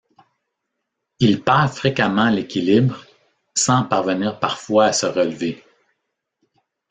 Il perd fréquemment l'équilibre, sans parvenir parfois à se relever.